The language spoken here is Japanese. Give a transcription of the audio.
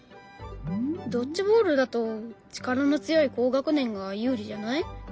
ドッジボールだと力の強い高学年が有利じゃない？